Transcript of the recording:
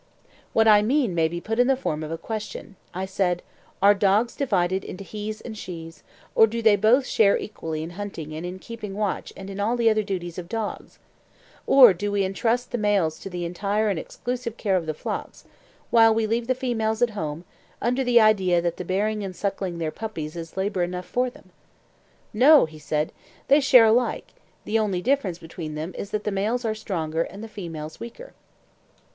What I mean may be put into the form of a question, I said: Are dogs divided into hes and shes, or do they both share equally in hunting and in keeping watch and in the other duties of dogs? or do we entrust to the males the entire and exclusive care of the flocks, while we leave the females at home, under the idea that the bearing and suckling their puppies is labour enough for them? No, he said, they share alike; the only difference between them is that the males are stronger and the females weaker.